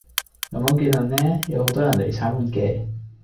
咁我見到呢有好多人嚟到參觀嘅